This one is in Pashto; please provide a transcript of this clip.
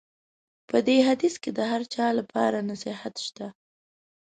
په دې حدیث کې د هر چا لپاره نصیحت شته.